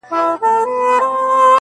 • د صحت قدر رنځور پېژني -